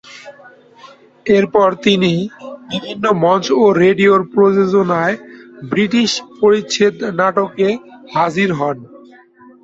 এরপর তিনি বিভিন্ন মঞ্চ ও রেডিওর প্রযোজনায় "ব্রিটিশ পরিচ্ছদ নাটকে" হাজির হন।